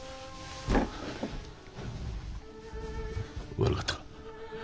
悪かった。